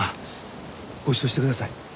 ごちそうしてください。